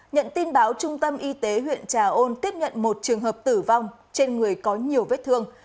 nhận tin báo trung tâm y tế huyện trà ôn tiếp nhận một trường hợp tử vong trên người có nhiều vết thương